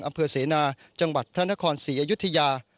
อำเภอเสนาจังหวัดพระนครศรีอยุธยา